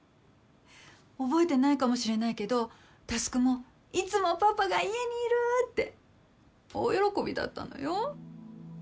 覚えてないかもしれないけど匡もいつもパパが家にいるって大喜びだったのよ。